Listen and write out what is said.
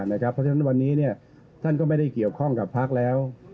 เพราะฉะนั้นวันนี้ท่านก็ไม่ได้เกี่ยวข้องกับพักแล้ว